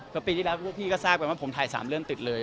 ก็ปีที่แล้วพวกพี่ก็ทราบกันว่าผมถ่าย๓เรื่องติดเลย